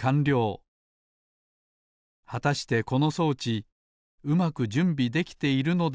はたしてこの装置うまくじゅんびできているのでしょうか？